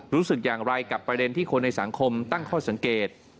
รู้สึกอย่างไรกับประเด็นที่คนในสังคมตั้งข้อสังเกต